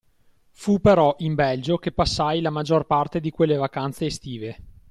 Fu però in Belgio che passai la maggior parte di quelle vacanze estive.